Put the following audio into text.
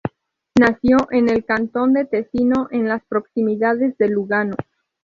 Nació en el cantón del Tesino, en las proximidades de Lugano.